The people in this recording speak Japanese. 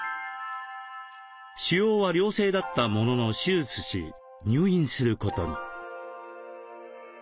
腫瘍は良性だったものの手術し入院することに。